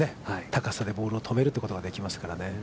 高さでボールを止めるということができますからね。